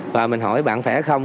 và mình hỏi bạn phải không